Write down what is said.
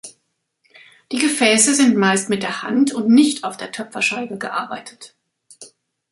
Die Gefäße sind meist mit der Hand und nicht auf der Töpferscheibe gearbeitet.